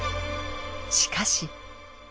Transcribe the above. しかし。